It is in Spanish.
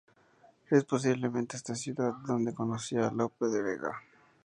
Es posiblemente en esta ciudad donde conoció a Lope de Vega.